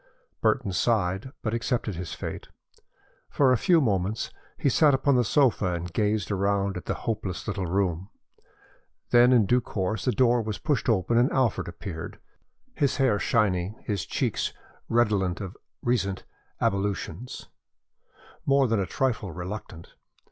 Burton sighed but accepted his fate. For a few moments he sat upon the sofa and gazed around at the hopeless little room. Then, in due course, the door was pushed open and Alfred appeared, his hair shiny, his cheeks redolent of recent ablutions, more than a trifle reluctant.